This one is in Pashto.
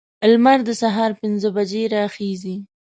لمر د سهار پنځه بجې راخیزي.